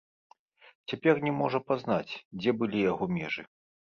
Цяпер не можа пазнаць, дзе былі яго межы.